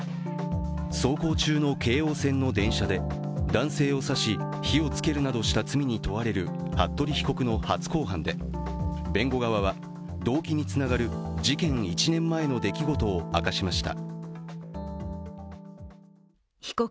走行中の京王線の電車で男性を刺し火をつけるなどした罪に問われる服部被告の初公判で弁護側は、動機につながる事件１年前の出来事を明かしました。